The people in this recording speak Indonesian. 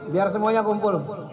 biar semuanya kumpul